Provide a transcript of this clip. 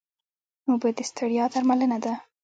اوبه د ستړیا درملنه ده